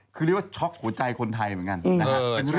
คือเรียกว่าช็อกหัวใจคนไทยเหมือนกันนะฮะ